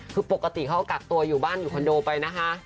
คือปกติเขาก็กักตัวอยู่บ้านอยู่คอนโดไปนะคะ